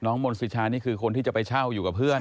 มนศิชานี่คือคนที่จะไปเช่าอยู่กับเพื่อน